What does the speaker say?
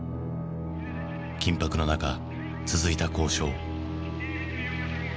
緊迫の中続いた交渉。